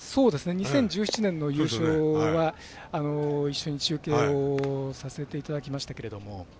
２０１７年の優勝は一緒に中継をさせていただきましたけども。